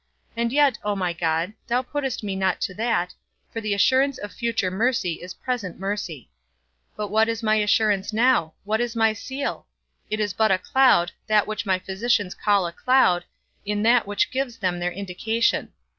And yet, O my God, thou puttest me not to that, for the assurance of future mercy is present mercy. But what is my assurance now? what is my seal? It is but a cloud; that which my physicians call a cloud, in that which gives them their indication.